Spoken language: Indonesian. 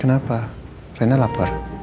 kenapa rena lapar